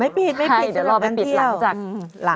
ไม่ปิดคือแบบนั้นเที่ยว